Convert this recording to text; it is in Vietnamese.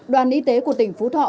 đoàn y tế của tỉnh phú thọ